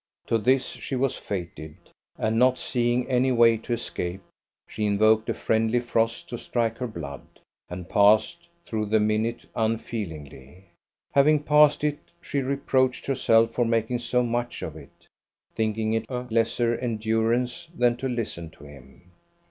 To this she was fated; and not seeing any way to escape, she invoked a friendly frost to strike her blood, and passed through the minute unfeelingly. Having passed it, she reproached herself for making so much of it, thinking it a lesser endurance than to listen to him.